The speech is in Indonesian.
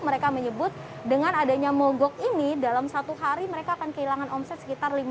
mereka menyebut dengan adanya mogok ini dalam satu hari mereka akan kehilangan omset sekitar lima belas juta rupiah